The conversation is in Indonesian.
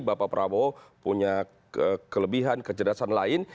bapak prabowo punya kelebihan kecerdasan lain